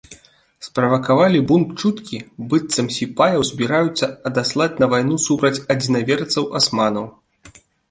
Справакавалі бунт чуткі, быццам сіпаяў збіраюцца адаслаць на вайну супраць адзінаверцаў-асманаў.